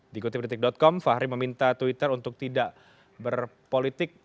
dikutip detik com fahri meminta twitter untuk tidak berpolitik